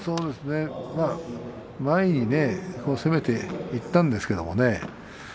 前に攻めていったんですけれどもね。